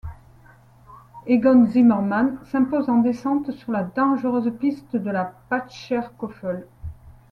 Egon Zimmermann s'impose en descente sur la dangereuse piste de la Patscherkofel.